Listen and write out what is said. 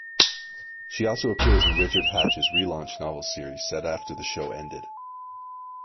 She also appears in Richard Hatch's re-launch novel series set after the show ended.